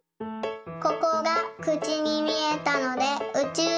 ここがくちにみえたのでうちゅう